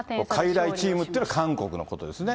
かいらいチームというのは韓国のことですね。